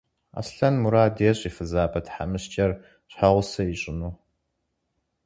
Аслъэн мурад ещӏ фызабэ тхьэмыщкӏэр щхьэгъусэ ищӏыну.